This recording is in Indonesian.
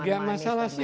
enggak masalah sih